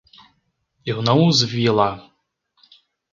Eu não os vi lá.